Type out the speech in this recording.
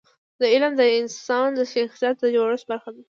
علم د انسان د شخصیت د جوړښت برخه ده.